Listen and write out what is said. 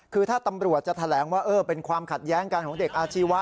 คือถ้าตำรวจจะแถลงว่าเป็นความขัดแย้งกันของเด็กอาชีวะ